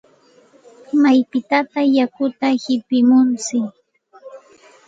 ¿Maypitataq yakuta qipimuntsik?